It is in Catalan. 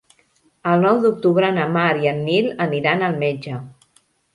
El nou d'octubre na Mar i en Nil aniran al metge.